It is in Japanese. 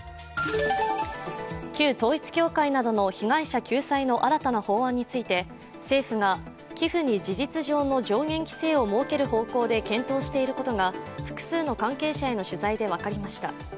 旧統一教会などの被害者救済の新たな法案について政府が寄付に事実上の上限規制を設ける方向で検討していることが複数の関係者への取材で分かりました。